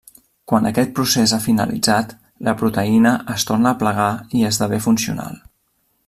Quan aquest procés ha finalitzat, la proteïna es torna a plegar i esdevé funcional.